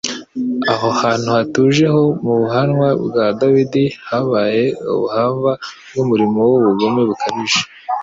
Aho hantu hatuje ho mu murwa wa Dawidi habaye ubuhamva bw'umurimo w'ubugome bukabije;